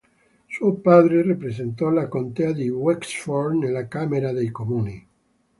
Suo padre rappresentò la Contea di Wexford nella Camera dei comuni.